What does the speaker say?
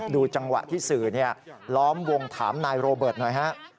ดูจังหวะที่สื่อล้อมวงถามนายโรเบิร์ตหน่อยฮะ